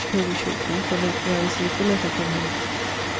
Coley shortly, for lately I received a letter from him.